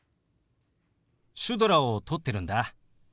シュドラを撮ってるんだ。